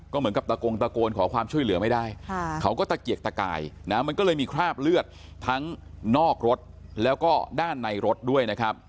เหมือนกับตะโกงตะโกนขอความช่วยเหลือไม่ได้เขาก็ตะเกียกตะกายนะมันก็เลยมีคราบเลือดทั้งนอกรถแล้วก็ด้านในรถด้วยนะครับ